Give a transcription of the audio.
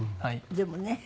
でもね